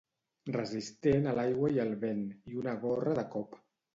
Resistent a l'aigua i al vent, i una gorra de cop.